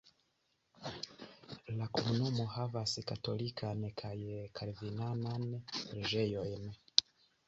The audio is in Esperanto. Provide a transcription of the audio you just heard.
La komunumo havas katolikan kaj kalvinanan preĝejojn.